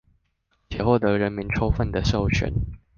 且獲得人民充分的授權